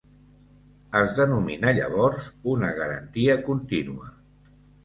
Es denomina llavors una garantia continua.